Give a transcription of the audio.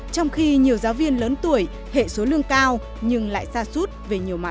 trong khi nhiều giáo viên lớn tuổi hệ số lương cao nhưng lại xa suốt về nhiều mặt